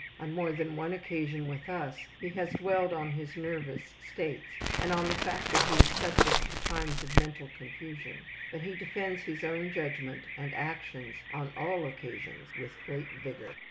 On more than one occasion with us he has dwelled on his nervous states, and on the fact that he is subject to times of mental confusion, but he defends his own judgment and actions on all occasions with great vigor.